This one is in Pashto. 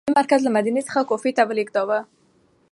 علي رض د اسلامي مرکز له مدینې څخه کوفې ته ولیږداوه.